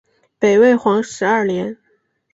北魏皇始二年。